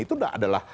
itu udah adalah